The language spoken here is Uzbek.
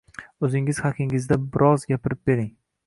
O'zingiz haqingizda birozv gapirib bering.